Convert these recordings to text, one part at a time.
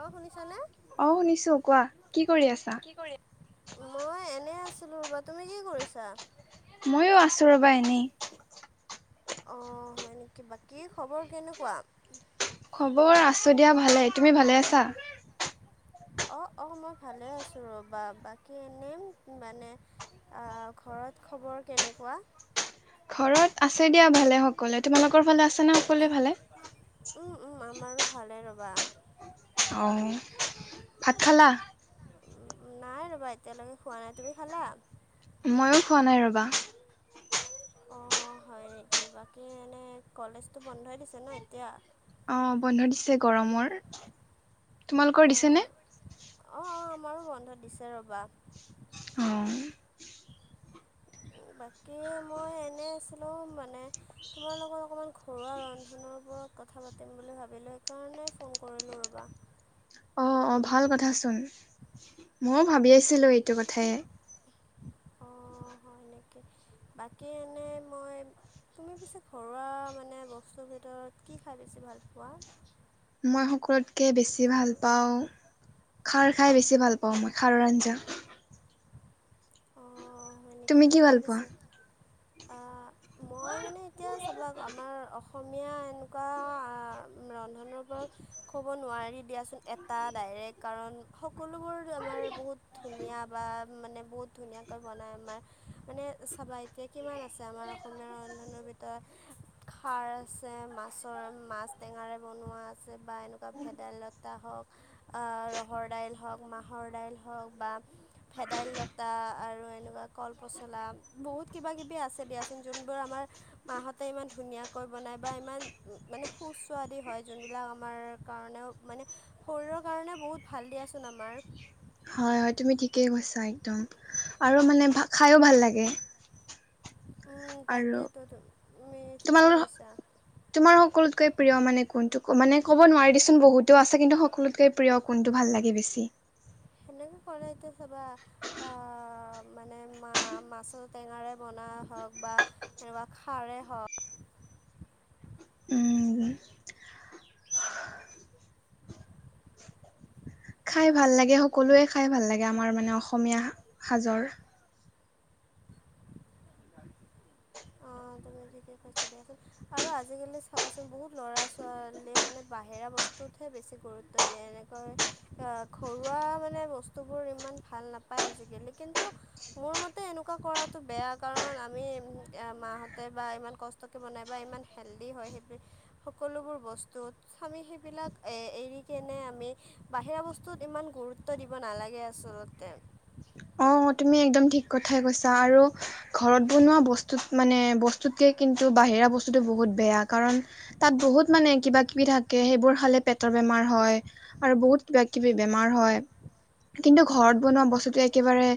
অ' শুনিছা নে? অ' শুনিছো কোৱা। কি কৰি আছা? কি কৰি, মই এনে আছো ৰবা, তুমি কি কৰিছা? ময়োঁ আছো ৰ'বা এনেই। অঁ হয় নেকি বাকী খবৰ কেনেকুৱা? খবৰ আছো দিয়া, ভালেই। তুমি ভালে আছা? অ', অ' মই ভালে আছো ৰ'বা। বাকী এনে মানে আ ঘৰত খবৰ কেনেকুৱা? ঘৰত আছে দিয়া ভালে সকলোৱে। তোমালোকৰ ফালে আছে না সকলোৱে ভালে? উম, উম আমাৰো ভালে ৰবা। অঁ ভাত খালা? উম, নাই ৰ'বা এতিয়ালৈকে খোৱা নাই। তুমি খালা? ময়ো খোৱা নাই ৰ'বা। অঁ হয় নেকি, বাকী এনেই কলেজটো বন্ধই দিছে ন এতিয়া? অঁ বন্ধ দিছে গৰমৰ, তোমালোকৰ দিছেনে? অ, ' অ' আমাৰো বন্ধ দিছে ৰবা। অ বাকী এই মই এনে আছিলোঁ মানে তোমাৰ লগত অকণমান ঘৰুৱা ৰন্ধনৰ ওপৰত কথা পাতিম বুলি ভাবিলোঁ, সেইকাৰণে ফোন কৰিলোঁ ৰ'বা। অঁ, অঁ ভাল কথাচোন, ময়ো ভাবি আছিলোঁ এইটো কথাই। অ' হয় নেকি? বাকী এনেই মই, তুমি পিছে ঘৰুৱা মানে বস্তুৰ ভিতৰত কি খাই বেছি ভালপোৱা? মই সকলোতকৈ বেছি ভাল পাওঁ খাৰ খাই বেছি ভাল পাওঁ মই, খাৰৰ আঞ্জা। অঁ হয় নেকি তুমি কি ঠিকেই ভাল পোৱা পিছে। আ মই মানে এতিয়া চবা আমাৰ অস অসমীয়া এনেকুৱা ৰন্ধনৰ ওপৰত ক'ব নোৱাৰি দিয়াচোন, এটা ডাইৰেক্ট কাৰণ সকলোবোৰ আমাৰ বহুত ধুনীয়া বা মানে বহুত ধুনীয়াকৈ বনায় আমাৰ। মানে চাবা এতিয়া কিমান আছে আমাৰ অসমীয়া ৰন্ধনৰ ভিতৰত খাৰ আছে মাছৰ মাছ টেঙাৰে বনোৱা আছে বা এনেকুৱা ভেদাইলত তা হওঁক, ৰহৰ দাইল হওঁক, মা'হৰ দাইল হওঁক বা ভেদাইলতা তা আৰু এনেকুৱা কল পচলা বহুত কিবা কিবি আছে দিয়াচোন যোনবোৰ আমাৰ মাহঁতে ইমান ধুনীয়াকৈ বনায় বা ইমান মানে সুস্বাদু হয়, যোনবিলাক আমাৰ কাৰণেও মানে শৰীৰৰ কাৰণে বহুত ভাল দিয়াচোন আমাৰ। হয়, হয় তুমি ঠিকেই কৈছা একদম, আৰু মানে খাইও ভাল লাগে। উম আৰু তাকে তো তুমি ঠিকেই তোমালোকৰ কৈছা। তোমাৰ সকলোতকৈ প্ৰিয় মানে কোনটো মানে ক'ব নোৱাৰি দিয়া চোন বহুতো আছে। কিন্তু সকলোতকে প্ৰিয় কোনটো ভাল লাগে বেছি? সেনেকে ক'লে এতিয়া চাবা মানে মাছৰ টেঙাৰে বনাই হওঁক বা তেনেকুৱা খাৰে হওঁক উম খাই ভাল লাগে সকলোৱে খাই ভাল লাগে আমাৰ মানে অসমীয়া সাজৰ। অ' তুমি ঠিকে কৈছা দিয়াছোন। আৰু আজিকালি চাবাচোন বহুত ল'ৰা ছোৱালীয়ে মানে বাহিৰা বস্তুতহে বেছি গুৰুত্ব ত্ব দিয়ে, এনেকৈ আহ ঘৰুৱা মানে বস্তুবোৰ ইমান ভাল নাপায় আজিকালি। কিন্তু মোৰ মতে এনেকুৱা কৰাতটো বেয়া। কাৰণ আমি মাহঁতে বা ইমান কষ্টকৈ বনায় বা ইমান হেল্ডি হয়। সেই সকলোবোৰ বস্তুত আমি সেইবিলাক এৰিকিনে আমি বাহিৰা বস্তুত ইমান গুৰুত্ব দিব নালাগে আচলতে। অ', তুমি একদম ঠিক কথাই কৈছা আৰু ঘৰত বনোৱা বস্তুত মানে বস্তুতকে কিন্তু বাহিৰা বস্তুতটো বহুত বেয়া কাৰণ তাত বহুত মানে কিবা কিবি থাকে, সেইবোৰ খালে পেটৰ বেমাৰ হয়। আৰু বহুত কিবা কিবি বেমাৰ হয়, কিন্তু ঘৰত বনোৱা বস্তুটো একেবাৰে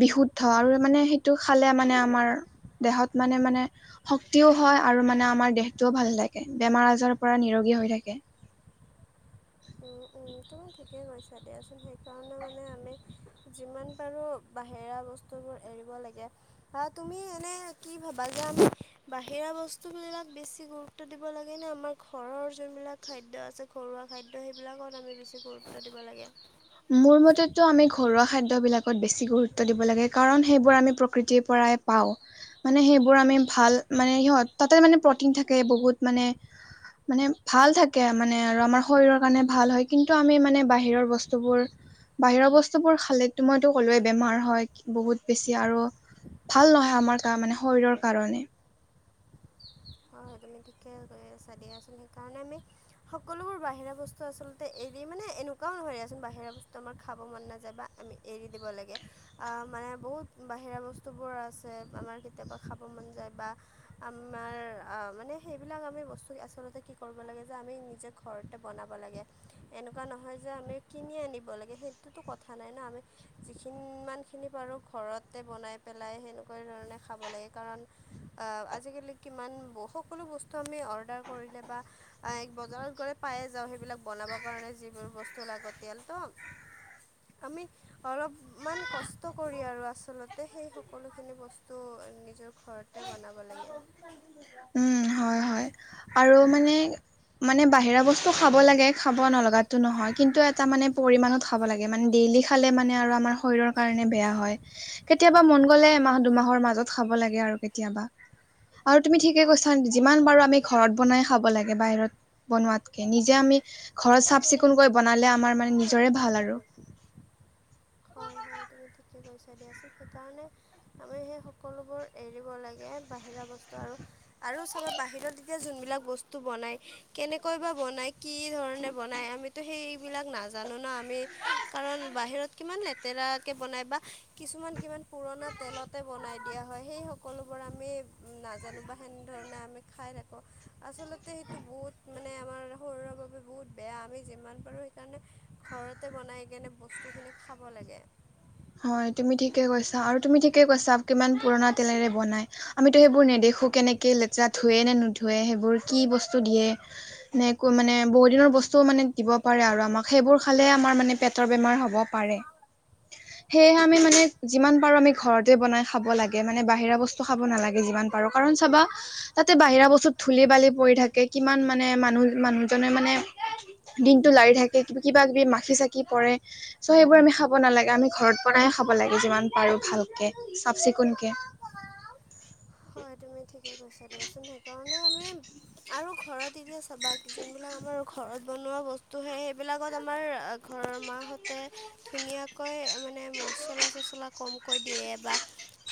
বিশুদ্ধ আৰু মানে সেইটো খালে মানে আমাৰ দেহত মানে, মানে শক্তিও হয়, আৰু মানে আমাৰ দেহটোও ভাল থাকে বেমাৰ আজাৰৰ পৰা নিৰোগী হৈ থাকে। তুমি ঠিকেই হৈছে দিয়াচোন সেইকাৰণে মানে আমি যিমান পাৰোঁ বাহিৰা বস্তুবোৰ এৰিব লাগে। হয়, তুমি এনেই কি ভাবা যে আমি বাহিৰা বস্তুবিলাক বেছি গুৰু ত্ব দিব লাগে নে, আমাৰ ঘৰৰ যোনবিলাক খাদ্য আছে ঘৰুৱা খাদ্য সেইবিলাকত আমি বেছি গুৰুত্ব দিব লাগে। মোৰ মতেতো আমি ঘৰুৱা খাদ্যবিলাকত বেছি গুৰুত্ব দিব লাগে, কাৰণ সেইবোৰ আমি প্ৰকৃতিৰ পৰাই পাওঁ, মানে সেইবোৰ আমি ভাল মানে সিহত তাতে মানে প্ৰটিন থাকে বহুত মানে মানে ভাল থাকে মানে আৰু আমাৰ শৰীৰৰ কাৰণে ভাল হয়, কিন্তু আমি মানে বাহিৰৰ বস্তু বস্তুবোৰ বাহিৰ বস্তুবোৰ খালে মইতো ক'লোৱে বেমাৰ হয়, বহুত বেছি আৰু ভাল নহয় আমাৰ গা মানে শৰীৰৰ কাৰণে হয়, হয়, তুমি ঠিকে কৈ আছা দিয়াচোন সেইকাৰণে আমি সকলোবোৰ বাহিৰা বস্তু আচলতে এৰি মানে এনেকুৱাও নহয়চোন বাহিৰা বস্তু আমাৰ খাব মন নাযায় বা আমি এৰি দিব লাগে আ মানে বহুত বাহিৰা বস্তুবোৰ আছে আমাৰ কেতিয়াবা খাব মন যায় বা আমাৰ আ মানে সেইবিলাক আমি বস্তু আচলতে কি কৰিব লাগে, যে আমি নিজে ঘৰতে বনাব লাগে। এনেকুৱা নহয় যে আমি কিনি আনিব লাগে সেইটোতো কথা নাই ন আমি যিখিনিমানখিনি পাৰোঁ ঘৰতে বনাই পেলাই সেনেকুৱা ধৰণে খাব লাগে কাৰণ আজিকালি কিমান বহু সকলো বস্তু আমি অৰ্ডাৰ কৰিলে বা বজাৰত গ'লে পায়ে যাওঁ সেইবিলাক বনাবৰ কাৰণে যিবোৰ বস্তু লাগতিয়াল ত' আমি অলপমান কষ্ট কৰি আৰু আচলতে সেই সকলোখিনি বস্তু নিজৰ ঘৰত তে বনাব লাগে। উম, হয়, হয় আৰু মানে, মানে বাহিৰা বস্তু খাব লাগে খাব নলগাতো নহয় কিন্তু এটা মানে পৰিমাণত খাব লাগে, মানে ডেইলি খালে মানে আৰু আমাৰ শৰীৰৰ কাৰণে বেয়া হয়। কেতিয়াবা মন গ'লে এমাহ দুমাহৰ মাজত খাব লাগে আৰু কেতিয়াবা। আৰু তুমি ঠিকে কৈছা যিমান পাৰোঁ আমি ঘৰত বনাই খাব লাগে, বাহিৰত বনোৱাতকে। নিজে আমি ঘৰত চাফ চিকুণকৈ বনালে আমাৰ মানে নিজৰে ভাল আৰু। [inaudible] হয়, হয় তুমি ঠিকে কৈছা দিয়াচোন সেইকাৰণে আমি সেই সকলোবোৰ এৰিব লাগে বাহিৰা বস্তু আৰু আৰু চাবা বাহিৰত এতিয়া যোনবিলাক বস্তু বনাই, কেনেকৈ বা বনাই কি ধৰণে বনাই আমি সেইবিলাক নাজানো ন আমি কাৰণ বাহিৰত কিমান লেতেৰাকে বনাই বা কিছুমান কিমান পুৰণা তেলতে বনাই দিয়া হয়, সেই স সকলোবোৰ আমি নাজানো বা সেনেধৰণে আমি খাই থাকোঁ। আচলতে সেইটো বহুত মানে আমাৰ শৰীৰৰ বাবে বহুত বেয়া আমি যিমান পাৰোঁ সেইকাৰণে ঘৰতে বনাই কেনে বস্তুখিনি খাব লাগে। হয়, তুমি ঠিকে কৈছা আৰু তুমি ঠিকে কৈছা, কিমান পুৰণা তেলেৰে বনাই আমিতো সেইবোৰ নেদে খো, কেনেকৈ লেতেৰা ধোৱে নে নুধোৱে সেইবোৰ কি বস্তু দিয়ে নে একো মানে বহুদিনৰ বস্তু মানে দিব পাৰে আৰু আমাক সেইবোৰ খালে আমাৰ মানে পেটৰ বেমাৰ হ'ব পাৰে। সেই, আমি হয় মানে যিমান পাৰোঁ আমি ঘৰতে বনাই খাব লাগে, মানে বাহিৰা বস্তু খাব নালাগে যিমান পাৰো, কাৰণ চাবা তাতে বাহিৰা বস্তুত ধুলি-বালি পৰি থাকে কিমান মানে মানুহ মানুহজনে মানে দিনতটো লৰি থাকে কিবা কিবি মাখি চাকি পৰে চ' সেইবোৰ আমি খাব নালাগে আমি ঘৰত বনাই খাব লাগে, যিমান পাৰোঁ ভালকৈ চাফ চিকুণকৈ হয়, তুমি ঠিকে কৈছা দিয়াচোন, সেইকাৰণে আমি আৰু ঘৰত এ বাকী যোনবিলাক আমাৰ ঘৰত বনোৱা বস্তু হে সেইবিলাকত আমাৰ ঘৰৰ মাহঁতে ধুনীয়া কৈ মানে মচলা চচলা কমকৈ দিয়ে, বা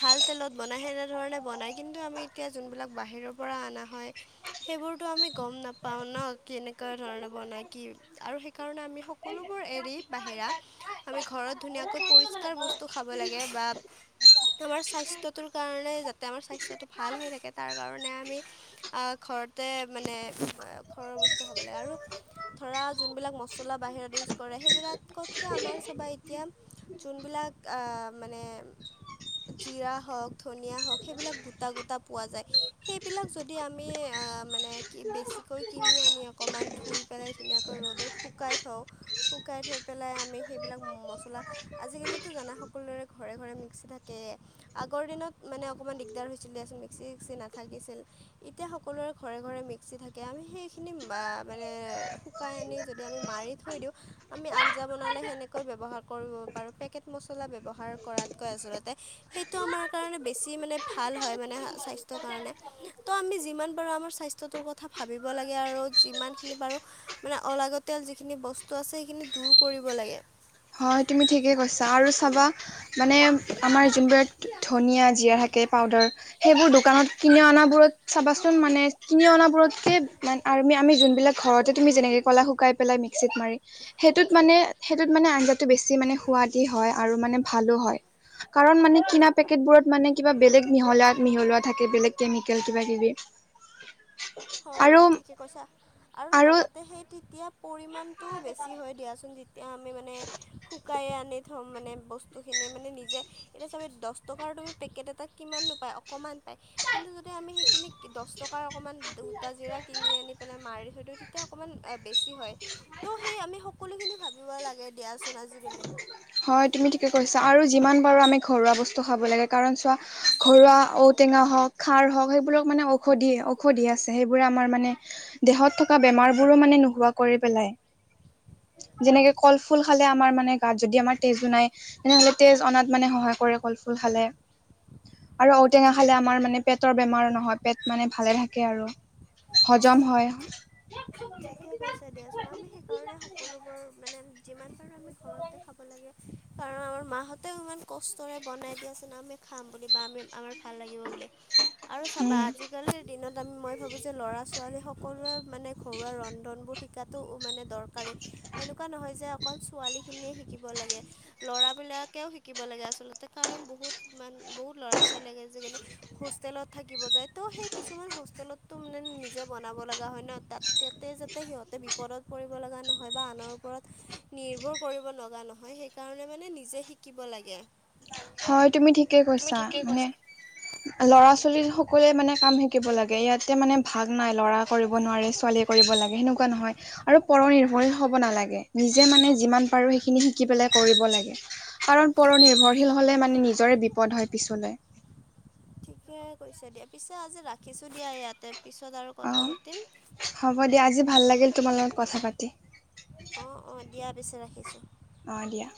ভাল তেলত বনাই এনেধৰণে বনাই কিন্তু, আমি এতিয়া যোনবিলাক বাহিৰৰ পৰা অনা হয় সেইবোৰটো আমি গম নাপাওঁ ন' কেনেকুৱা ধৰণে বনাই কি আৰু সেইকাৰণে আমি সকলোবোৰ এৰি বাহিৰা আমি ঘৰত ধুনীয়াকৈ পৰিষ্কাৰ বস্তু খাব লাগে, বা আমাৰ স্বাস্থটোৰ কাৰণে য আমাৰ স্বাস্থ্যটো ভাল হৈ থাকে, তাৰ কাৰণে আমি ঘৰতে মানে ঘৰৰ বস্তু খাব লাগে, আৰু ধৰা, যোনবিলাক মচলা বাহিৰত ইউজ কৰে, সেইবিলাকতকৈ আমাৰ চাবা এতিয়া যোনবিলাক আহ মানে, জিৰা হওক ধনিয়া হওক য আ [unintelligible] কি বেছিকৈ কিনি আনি অকণমান ধুই পেলাই ধুনীয়াকৈ ৰ'দত শুকাই থওঁ শুকাই থৈ পেলাই আমি সেইবিলাক, মচলা আজিকালিটো জানা, সকলোৰে ঘৰে ঘৰে মিক্সি থাকে আগৰ দিনত মানে অকণমান দিগদাৰ হৈছিল দিয়াচোন, মিক্সি চিক্সি নাথাকিছিল এতিয়া সকলোৰে ঘৰে ঘৰে মিক্সি থাকে, আমি সেইখিনি বা মানে শুকাই আনি যদি আমি মাৰি থৈ দিওঁ, আমি আঞ্জা বনালে সেনেকৈ ব্যৱহাৰ কৰিব পাৰোঁ, পেকেট মছলা ব্যৱহাৰ কৰাতকৈ আচলতে, সেইটো আমাৰ কাৰণে বেছি যি মানে ভাল হয়, মানে স্বাস্থ্যৰ কাৰণে তো আমি যিমান পাৰোঁ আমাৰ স্বাস্থ্যটোৰ কথা ভাবিব লাগে, আৰু যিমানখিনি পাৰোঁ মানে অলাগতিয়াল যিখিনি বস্তু আছে সেইখিনি দূৰ কৰিব লাগে। হয় তুমি ঠিকেই কৈছাঁ, আৰু চাবা মানে আমাৰ যোনবোৰ ইয়াত ধনিয়া জিৰা থাকে, পাউদাৰ, সেইবোৰ দোকানত কিনি অনাবোৰত চাবাচোন, মানে কিনি অনাবোৰতকে মান আমি, আমি যোনবিলাক ঘৰতে তুমি যেনেকে ক'লা শুকাই পেলাই মিক্সিত মাৰি সেইটোত মানে সেইটোত মানে আঞ্জাটো বেছি, মানে সোৱাদি হয় আৰু মানে ভালো হয়। কাৰণ মানে কিনা পেকেটবোৰত মানে কিবা, বেলেগ মিহলা মিহলোৱা থাকে বেলেগ কেমিকেল কিবা কিবি। [inaudible] [inaudible] হয় আৰু তুমি ঠিকে কৈছাঁ, আৰু লগতে সেই তেতিয়া পৰিমাণটো বেছি হয় দিয়াচোন তেতিয়া আমি মানে, শুকাই আনি মানে বস্তুখিনি মানে নিজে এতিয়া চাবা, দহ টকাৰ তুমি পেকেট এটাত কিমাননো পায়, অকণমান পায়। কিন্তু, যদি আমি সেইখিনি দহ টকাৰ অকণমান সূতা জিৰা কিনি আনি পেলাই মাৰি থৈ দিওঁ অকণমান বেছি হয়, তো সেই আমি সকলোখিনি ভাবিব লাগে দিয়াচোন, আজিকালি হয় তুমি ঠিকে কৈছাঁ, আৰু যিমান পৰো আমি ঘৰুৱা বস্তু খাব লাগে, কাৰণ চোৱা ঘৰুৱা ঔ টেঙা হওঁক খাৰ হওঁক, সেইবোৰক মানে ঔষধি, ঔষধি আছে সেইবোৰে আমাৰ মানে দেহত থকা বেমাৰবোৰো মানে নোহোৱা কৰি পেলাই। যেনেকে কল ফুল খাল আমাৰ মানে গাত যদি আমাৰ তেজো নাই, তেনেহ'লে তেজ অনাত মানে সহায় কৰে কল ফুল খালে আৰু ঔটেঙা হয় খালে আমাৰ মানে পেটৰ বেমাৰ নহয়, পেট মানে ভালে থাকে আৰু হজম হয়। ঠিক ঠিকে কৈছাঁ দিয়াচোন, আমি সেইকাৰণে সকলোবোৰ মানে যিমান পাৰো আমি ঘৰতে খাব লাগে। কাৰণ, আমাৰ মাহঁতেও ইমান কষ্টৰে বনাই দিয়া আছে ন আমি খাম বুলি বা আমি আমাৰ ভাল লাগিব বোলে। আৰু চাবা উম আজি আজিকালিৰ দিনত আমি মই ভাবোঁ যে ল'ৰা-ছোৱালী সকলোৱে মানে ঘৰুৱা ৰ শিকাতটো মানে দৰকাৰী, এনেকুৱা নহয় যে অকল ছোৱালীখিনিয়ে শিকিব লাগে। ল'ৰাবিলাকেও শিকিব লাগে আচলতে কাৰণ বহুত মান বহুত ল'ৰা-ছোৱালী আজিকালি হোষ্টেলত থাকিব যায় ত' সেই কিছুমান হোষ্টেলতটো মানে নিজে বনাব লগা হয় ন' তাত। তাতে সিহঁতে বিপদত পৰিব লগা নহয় বা আনৰ ওপৰত নিৰ্ভৰ কৰিব লগা নহয়। সেই কাৰণে মানে নিজে শিকিব লাগে। হয়, তুমি ঠিকে তুমি কৈছা ঠিকে মানে [unintelligible] ল'ৰা-ছোৱালী সকলোৱে মানে কাম শিকিব লাগে, ইয়াতে মানে ভাগ নাই ল'ৰা কৰিব নোৱাৰে ছোৱালী কৰিব লাগে, সেনেকুৱা নহয়। আৰু পৰ নিৰ্ভৰশীল হ'ব নালাগে, নিজে মানে যিমান পাৰো সেইখিনি শিকি পেলাই কৰিব লাগে। কাৰণ পৰ নিৰ্ভৰশীল হ'লে মানে নিজৰে বিপদ হয় পিছলে। ঠিকে কৈছে, দিয়া পিছে আজি ৰাখিছোঁ দিয়া ইয়াতে পিছত আৰু অ কথা পাতিম। হ'ব দিয়া, আজি ভাল লাগিল তোমাৰ লগত কথা পাতি। অহ', অহ' দিয়া পিছে ৰাখিছোঁ। অহ' দিয়া।